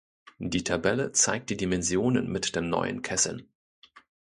Die Tabelle zeigt die Dimensionen mit den neuen Kesseln.